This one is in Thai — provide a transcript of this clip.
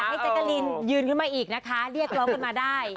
แจ๊กกะลินยืนขึ้นมาอีกนะคะเรียกร้องกันมาได้